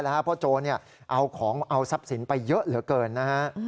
เพราะโจรเอาของเอาทรัพย์สินไปเยอะเหลือเกินนะฮะ